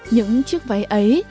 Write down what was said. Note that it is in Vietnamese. những chiếc váy ấy